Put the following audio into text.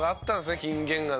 金言がね。